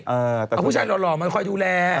เอาผู้ชายหล่อมาคอยดูแล